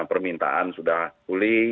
permintaan sudah pulih